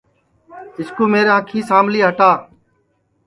اِس کُو میرے انکھی سام لی ہٹا